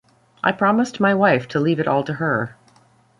I promised my wife to leave it all to her.